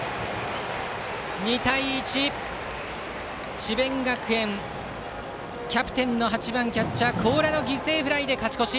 ２対１、智弁学園キャプテン８番キャッチャー高良犠牲フライで勝ち越し。